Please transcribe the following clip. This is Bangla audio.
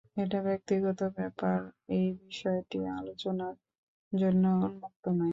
এটা ব্যক্তিগত ব্যাপার, এই বিষয়টি আলোচনার জন্য উন্মুক্ত নয়।